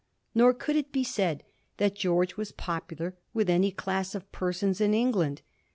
Nor could it be said that Greorge was popular with any class of persons in England.